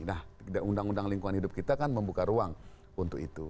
nah undang undang lingkungan hidup kita kan membuka ruang untuk itu